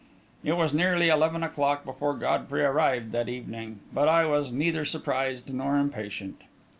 It was nearly eleven o'clock before Godfrey arrived that evening, but I was neither surprised nor impatient.